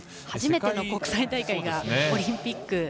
初めての国際大会がオリンピック。